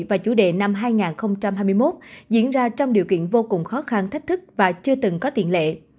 và chủ đề năm hai nghìn hai mươi một diễn ra trong điều kiện vô cùng khó khăn thách thức và chưa từng có tiền lệ